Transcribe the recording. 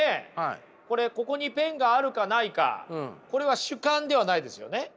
これここにペンがあるかないかこれは主観ではないですよね。